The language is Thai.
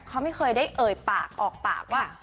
เขาไม่เคยได้เอ่ยปากออกปากว่า